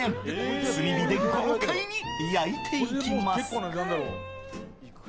炭火で豪快に焼いていきます。